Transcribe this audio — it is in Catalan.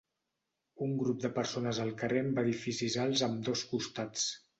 Un grup de persones al carrer amb edificis alts a ambdós costats.